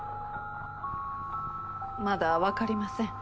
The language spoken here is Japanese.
まだわかりません